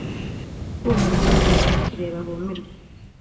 kumirwa bazakireba bumirwe